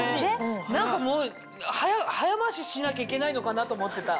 何か早回ししなきゃいけないのかなと思ってた。